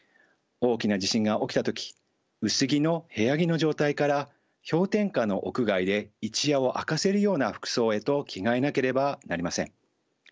大きな地震が起きた時薄着の部屋着の状態から氷点下の屋外で一夜を明かせるような服装へと着替えなければなりません。